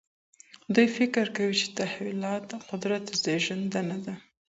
دوی فکر کوي چي تحولات د قدرت زیږنده دي.